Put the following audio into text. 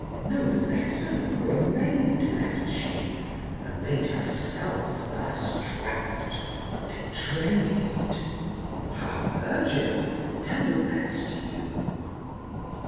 No lesson for a maid Left she, a maid herself thus trapped, betrayed? Ha, Virgil? Tell the rest, you!